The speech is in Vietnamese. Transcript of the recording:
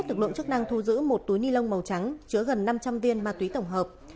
lực lượng chức năng thu giữ một túi ni lông màu trắng chứa gần năm trăm linh viên ma túy tổng hợp